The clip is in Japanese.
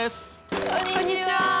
こんにちは！